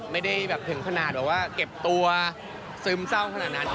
ไม่ได้แบบถึงขนาดแบบว่าเก็บตัวซึมเศร้าขนาดนั้น